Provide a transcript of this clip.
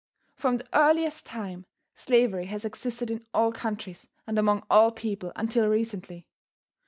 From the earliest time, slavery has existed in all countries, and among all people until recently.